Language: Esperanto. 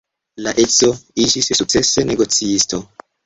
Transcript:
La edzo iĝis sukcesa negocisto.